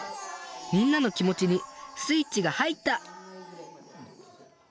みんなの気持ちにスイッチが入った！